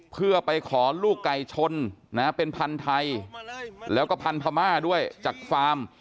เพื่อไปขอลูกไก่ชนเป็นพันธุ์ไทยแล้วก็พันธม่าด้วยจากฟาร์ม